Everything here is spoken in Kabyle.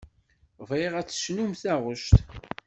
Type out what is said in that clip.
Bɣiɣ ad d-tecnumt taɣect.